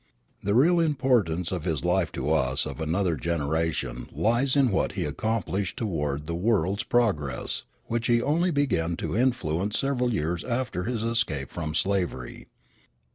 The real importance of his life to us of another generation lies in what he accomplished toward the world's progress, which he only began to influence several years after his escape from slavery.